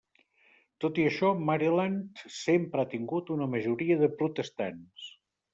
Tot i això, Maryland sempre ha tingut una majoria de protestants.